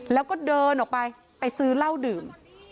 แล้วก็เดินออกไปไปซื้อเหล้าดื่ม